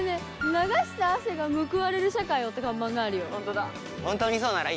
「流した汗が報われる社会を！」って看板があるよ。